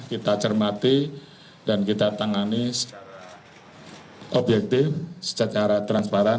kita cermati dan kita tangani secara objektif secara transparan